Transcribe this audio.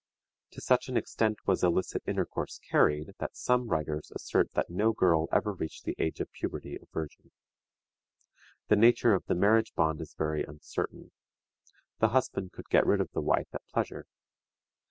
To such an extent was illicit intercourse carried, that some writers assert that no girl ever reached the age of puberty a virgin. The nature of the marriage bond is very uncertain. The husband could get rid of the wife at pleasure.